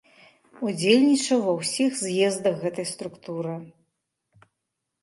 Удзельнічаў ва ўсіх з'ездах гэтай структуры.